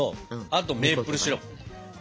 あとメープルシロップ。